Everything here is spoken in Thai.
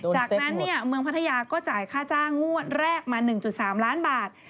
จากนั้นเมืองพัทยาก็จ่ายค่าจ้างงวดแรกมา๑๓ล้านบาท